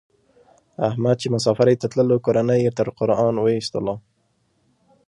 احمد چې مسافرۍ ته تللو کورنۍ یې تر قران و ایستلا.